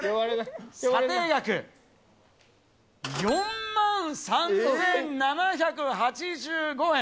査定額４万３７８５円。